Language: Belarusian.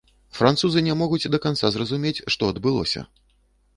Французы не могуць да канца зразумець, што адбылося.